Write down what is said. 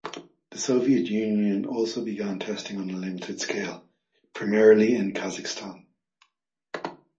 The Soviet Union also began testing on a limited scale, primarily in Kazakhstan.